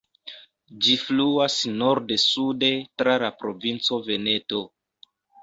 Ĝi fluas norde-sude tra la provinco Veneto.